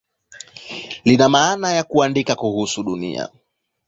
Lina maana ya "kuandika kuhusu Dunia".